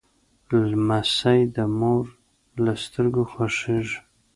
لمسی د مور له سترګو خوښیږي.